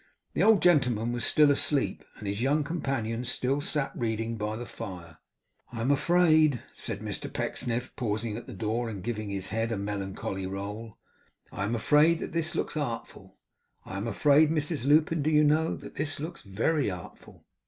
The old gentleman was still asleep, and his young companion still sat reading by the fire. 'I am afraid,' said Mr Pecksniff, pausing at the door, and giving his head a melancholy roll, 'I am afraid that this looks artful. I am afraid, Mrs Lupin, do you know, that this looks very artful!